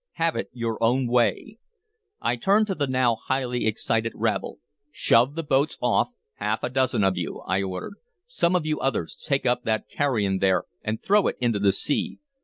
"Have it your own way." I turned to the now highly excited rabble. "Shove the boats off, half a dozen of you!" I ordered. "Some of you others take up that carrion there and throw it into the sea.